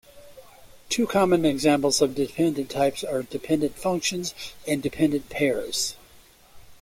Two common examples of dependent types are dependent functions and dependent pairs.